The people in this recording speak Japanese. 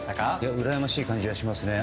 うらやましい感じがしますね。